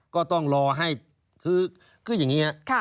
ก็ต้องรอให้คืออย่างนี้ครับ